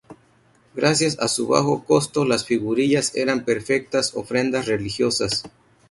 Gracias a su bajo costo, las figurillas eran perfectas ofrendas religiosas.